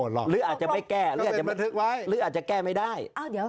หรืออาจจะไม่แก้หรืออาจจะแก้ไม่ได้